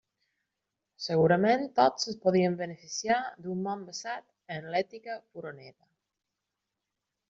Segurament tots es podrien beneficiar d'un món basat en l'ètica furonera.